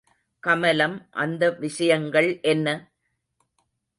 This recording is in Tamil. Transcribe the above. கமலம் அந்த விஷயங்கள் என்ன?